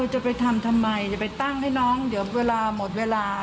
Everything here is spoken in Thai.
จะไปทำทำไมจะไปตั้งให้น้องเดี๋ยวเวลาหมดเวลา